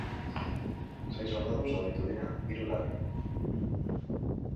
Sei soldadu zauritu dira, hiru larri.